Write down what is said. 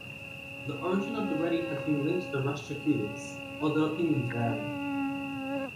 The origin of the Reddy has been linked to the Rashtrakutas, although opinions vary.